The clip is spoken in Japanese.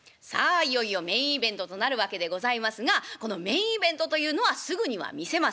いよいよメインイベントとなるわけでございますがこのメインイベントというのはすぐには見せません。